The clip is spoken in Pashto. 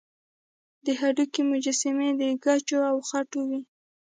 د هډې مجسمې د ګچو او خټو وې